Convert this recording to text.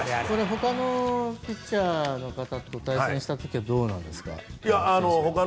ほかのピッチャーの方と対戦した時はどうなんですか？